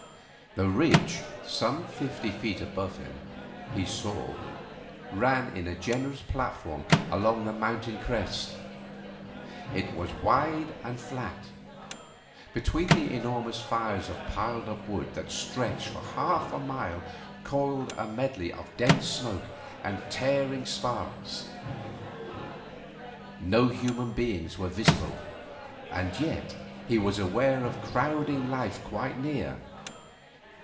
The ridge, some fifty feet above him, he saw, ran in a generous platform along the mountain crest; it was wide and flat; between the enormous fires of piled up wood that stretched for half a mile coiled a medley of dense smoke and tearing sparks. No human beings were visible, and yet he was aware of crowding life quite near.